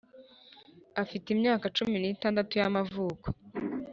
Afite imyaka cumi n’itandatu y’amavuko